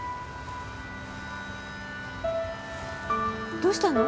どうしたの？